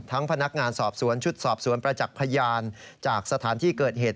พนักงานสอบสวนชุดสอบสวนประจักษ์พยานจากสถานที่เกิดเหตุ